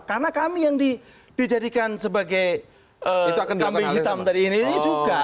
karena itu yang dijadikan sebagai gambing hitam tadi ini juga